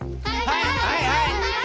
はいはいはい！